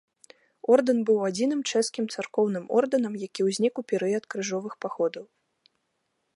Ордэн быў адзіным чэшскім царкоўным ордэнам, які ўзнік у перыяд крыжовых паходаў.